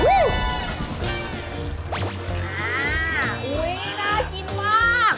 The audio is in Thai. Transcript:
อ้าวน่ากินมากเป็นแจะเลย